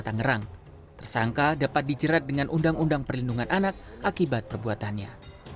tangerang tersangka dapat dijerat dengan undang undang perlindungan anak akibat perbuatannya